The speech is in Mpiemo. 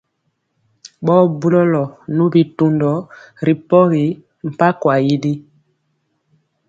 Ɓɔɔ bulɔlɔ nu bitundɔ ri pɔgi mpankwa yili.